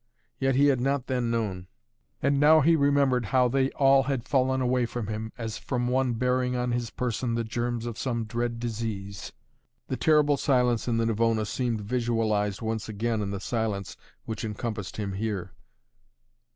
Yet he had not then known. And now he remembered how they all had fallen away from him, as from one bearing on his person the germs of some dread disease. The terrible silence in the Navona seemed visualized once again in the silence which encompassed him here.